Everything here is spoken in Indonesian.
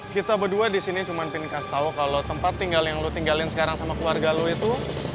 kita berdua disini cuma ingin kasih tau kalau tempat tinggal yang lu tinggalin sekarang sama keluarga lu itu